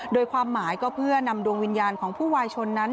โดยความหมายก็เพื่อนำดวงวิญญาณของผู้วายชนนั้น